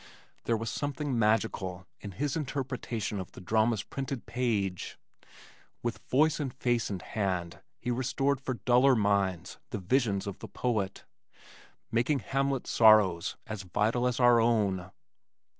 There was something magical in his interpretation of the drama's printed page. With voice and face and hand he restored for duller minds the visions of the poet, making Hamlet's sorrows as vital as our own.